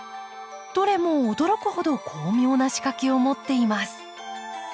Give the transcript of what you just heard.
どれも驚くほど巧妙な仕掛けを持っています。